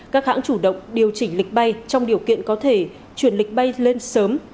các hãng chủ động điều chỉnh lịch bay trong điều kiện có thể chuyển lịch bay lên sớm